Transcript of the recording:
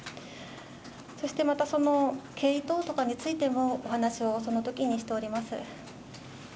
そして、またその経緯等についてもお話をそのときにしております。